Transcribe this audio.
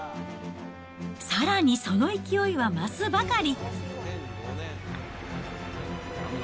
さらにその勢いは増すばかり。